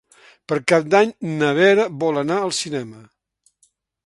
Per Cap d'Any na Vera vol anar al cinema.